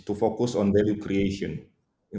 untuk fokus pada pembentukan nilai